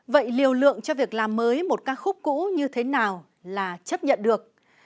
vậy liều lượng cho việc làm mới một ca khúc cũ như thế nào là chấp nhận được